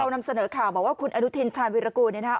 เรานำเสนอข่าวว่าคุณอนุทินชาวน์วิรากูลนะครับ